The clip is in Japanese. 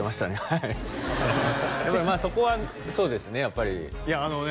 はいやっぱりまあそこはそうですねやっぱりいやあのね